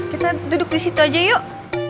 kita duduk di situ aja yuk